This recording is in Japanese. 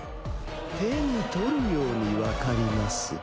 手に取るようにわかります。